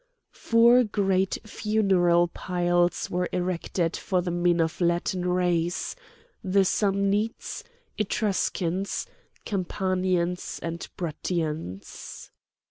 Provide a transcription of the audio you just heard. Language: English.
Four great funeral piles were erected for the men of Latin race, the Samnites, Etruscans, Campanians, and Bruttians.